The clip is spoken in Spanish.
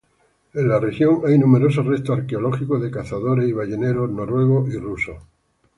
En la región hay numerosos restos arqueológicos de cazadores y balleneros noruegos y rusos.